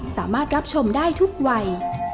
สามารถรับชมได้ทุกวัย